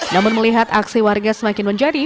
namun melihat aksi warga semakin menjadi